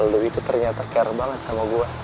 lalu itu ternyata care banget sama gue